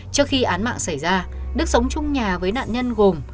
trước khi án mạng xảy ra đức sống trong nhà với nạn nhân gồm